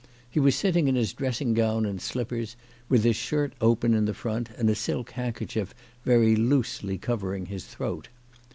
He was sitting in his dressing gown and slippers, with his shirt open in the front, and a silk handkerchief very loosely covering his throat.